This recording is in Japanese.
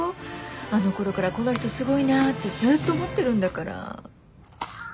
あのころからこの人すごいなぁってずっと思ってるんだから。